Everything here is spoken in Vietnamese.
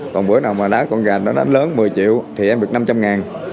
còn bữa nào mà lá con gà nó đánh lớn một mươi triệu thì em được năm trăm linh ngàn